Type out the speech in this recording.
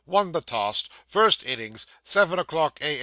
Won the toss first innings seven o'clock A.